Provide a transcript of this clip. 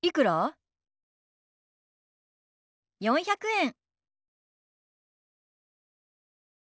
４００円。